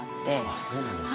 あっそうなんですか。